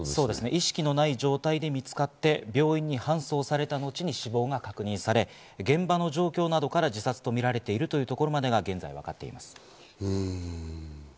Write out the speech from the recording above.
意識のない状態で見つかって病院に搬送された後に死亡が確認され、現場の状況などから自殺とみられているというところまでが現在わうん。